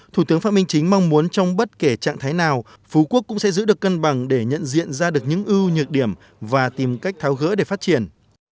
thủ tướng phạm minh chính mong muốn trong bất kể trạng thái nào phú quốc cũng sẽ giữ được cân bằng để nhận diện ra được những ưu nhược điểm và tìm cách tháo gỡ để phát triển